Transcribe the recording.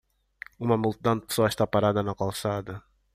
Uma multidão de pessoas está parada na calçada.